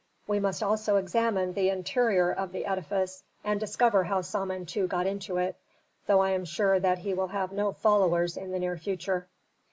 We must also examine the interior of the edifice and discover how Samentu got into it, though I am sure that he will have no followers in the near future."